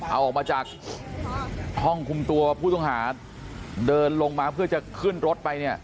เอาออกมาจากห้องคุมตัวผู้ต้องหาเดินลงมาเพื่อจะขึ้นรถไปเนี่ย